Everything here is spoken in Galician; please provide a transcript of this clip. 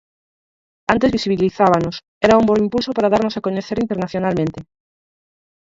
Antes visibilizábanos, era un bo impulso para darnos a coñecer internacionalmente.